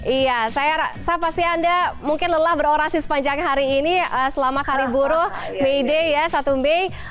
iya saya pasti anda mungkin lelah berorasi sepanjang hari ini selama hari buruh may day ya satu mei